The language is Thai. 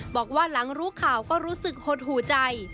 บอกว่าหลังรู้ข่าวก็รู้สึกหดหูใจ